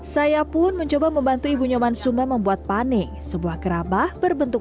saya pun mencoba membantu ibunya mansumah membuat panik sebuah gerabah berbentuk